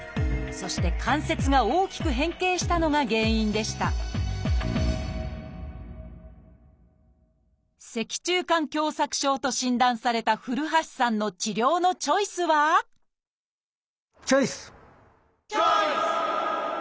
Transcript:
そして関節が大きく変形したのが原因でした「脊柱管狭窄症」と診断された古橋さんの治療のチョイスはチョイス！